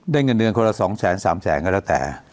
ได้เงินเดือนคนละสองแสนสามแสนก็แล้วแต่